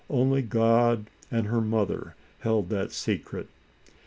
Only God and her mother held that secret.